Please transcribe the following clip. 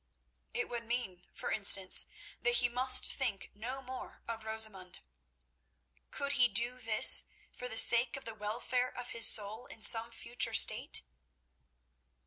It would mean, for instance, that he must think no more of Rosamund. Could he do this for the sake of the welfare of his soul in some future state?